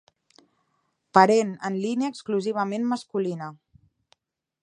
Parent en línia exclusivament masculina.